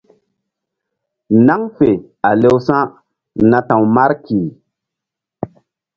Naŋ fe a lewsa̧ na ta̧w Marki.